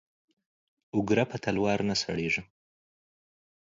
او گره په تلوار نه سړېږي.